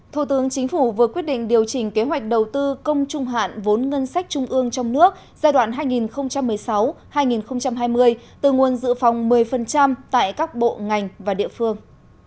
thủ tướng chính phủ vừa quyết định điều chỉnh kế hoạch đầu tư công trung hạn vốn ngân sách trung ương trong nước giai đoạn hai nghìn một mươi sáu hai nghìn hai mươi từ nguồn dự phòng một mươi tại các bộ ngành và địa phương